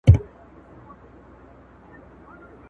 دا حیرانونکی تصادف و